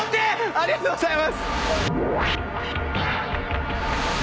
ありがとうございます。